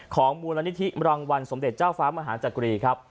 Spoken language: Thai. ของมูลนิธิรางวัลสมเด็จเจ้าฟ้ามหาจักรีครับ